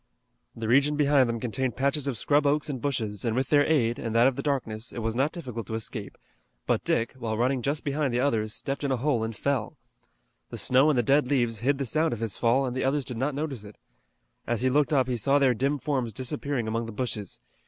The region behind them contained patches of scrub oaks and bushes, and with their aid and that of the darkness, it was not difficult to escape; but Dick, while running just behind the others, stepped in a hole and fell. The snow and the dead leaves hid the sound of his fall and the others did not notice it. As he looked up he saw their dim forms disappearing among the bushes.